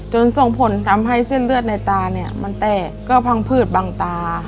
ส่งผลทำให้เส้นเลือดในตาเนี่ยมันแตกก็พังพืชบังตา